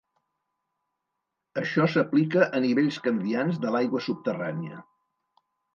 Això s’aplica a nivells canviants de l’aigua subterrània.